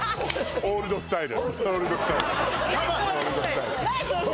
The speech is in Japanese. オールドスタイル！